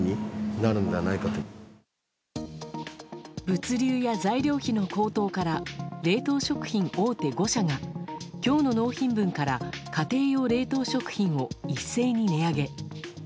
物流や材料費の高騰から冷凍食品大手５社が今日の納品分から家庭用冷凍食品を一斉に値上げ。